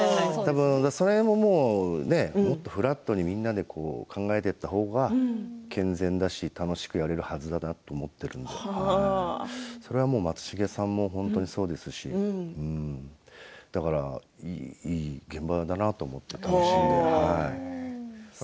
その辺、もっとフラットにみんなで考えていった方が健全だし楽しくやれるはずだと思っているのでそれはもう松重さんもそうですしだからいい現場だなと思って楽しいです。